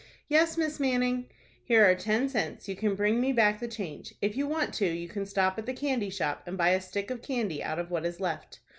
"Yes, Miss Manning." "Here are ten cents. You can bring me back the change. If you want to, you can stop at the candy shop, and buy a stick of candy out of what is left."